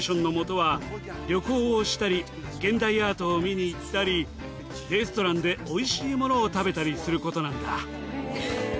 旅行をしたり現代アートを見に行ったりレストランでおいしいものを食べたりすることなんだ。